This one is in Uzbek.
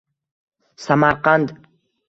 Samarqand.